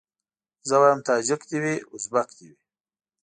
زه وايم تاجک دي وي ازبک دي وي